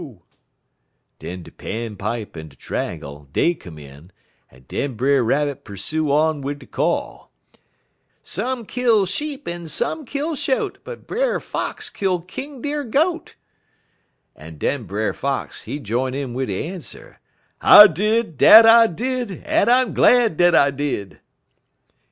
_' Den de quills en de tr'angle, dey come in, en den Brer Rabbit pursue on wid de call: "'Some kill sheep en some kill shote, But Brer Fox kill King Deer goat,' en den Brer Fox, he jine in wid de answer: "'_I did, dat I did, en I'm glad dat I did!